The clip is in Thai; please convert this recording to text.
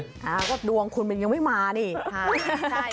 ถามว่าดวงคุณแม่งยังไม่มาฮ่า